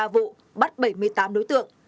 một mươi ba vụ bắt bảy mươi tám đối tượng